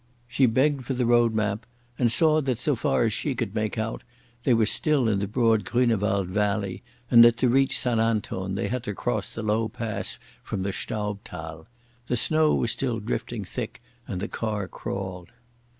She begged for the road map, and saw that so far as she could make out they were still in the broad Grünewald valley and that to reach St Anton they had to cross the low pass from the Staubthal. The snow was still drifting thick and the car crawled.